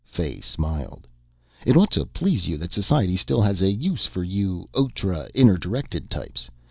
Fay smiled. "It ought to please you that society still has a use for you outre inner directed types.